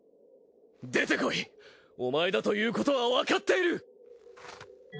出てこいお前だということはわかっている。